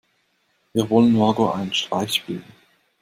Wir wollen Margot einen Streich spielen.